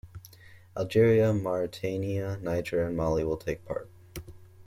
Algeria, Mauritania, Niger, and Mali will take part.